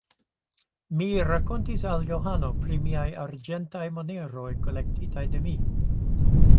Mi rakontis al Johano pri miaj arĝentaj moneroj kolektitaj de mi.